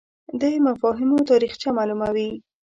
دی مفاهیمو تاریخچه معلوموي